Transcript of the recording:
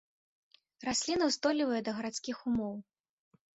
Расліны ўстойлівыя да гарадскіх умоў.